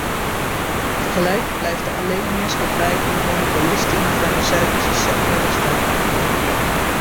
Tegelijk blijft de alleenheerschappij van de monopolisten in de farmaceutische sector bestaan.